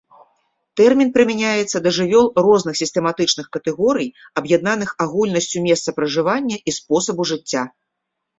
Тэрмін прымяняецца да жывёл розных сістэматычных катэгорый, аб'яднаных агульнасцю месца пражывання і спосабу жыцця.